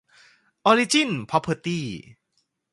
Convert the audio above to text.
ออริจิ้น พร็อพเพอร์ตี้